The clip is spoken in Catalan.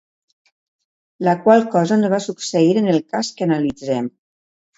La qual cosa no va succeir en el cas que analitzem.